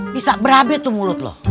bisa berabe tuh mulut lo